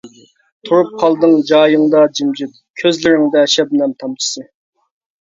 تۇرۇپ قالدىڭ جايىڭدا جىمجىت، كۆزلىرىڭدە شەبنەم تامچىسى.